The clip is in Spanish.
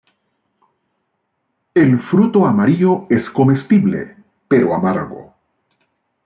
El fruto amarillo, es comestible, pero amargo.